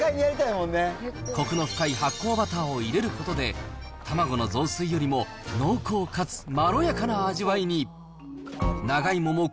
こくの深い発酵バターを入れることで、卵の雑炊よりも濃厚かつまろやかな味わいに。